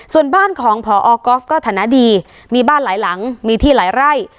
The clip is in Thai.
ส่วนบ้านของพอก๊อฟก็ฐานะดีมีบ้านหลายหลังมีที่หลายไร่